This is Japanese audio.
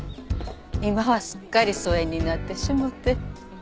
今はすっかり疎遠になってしもて。